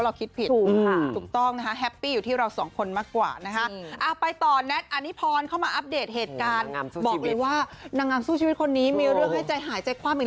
เออหล่อด้วยเปรย์ด้วย